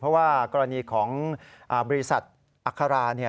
เพราะว่ากรณีของบริษัทอัครา